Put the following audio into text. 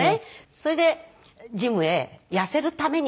それでジムへ痩せるために。